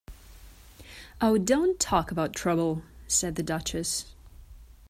‘Oh, don’t talk about trouble!’ said the Duchess.